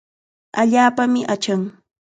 Allaapami achan.